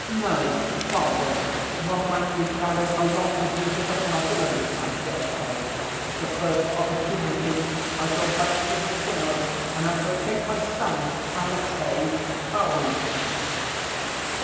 No, Fathers, one might be carried along with you to the Flagellants, I dare say ... at the first opportunity I shall write to the Synod, and I shall take my son, Alexey, home."